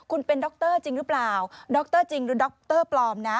คุณเป็นดรจริงหรือเปล่าดรจริงหรือดรปลอมนะ